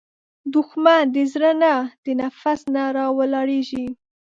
دښمن د زړه نه، د نفس نه راولاړیږي